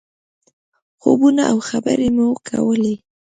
خوبونه او خبرې مو کولې.